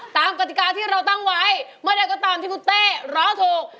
กติกาที่เราตั้งไว้เมื่อใดก็ตามที่คุณเต้ร้องถูก